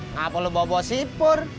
ngapain lu bobo sipur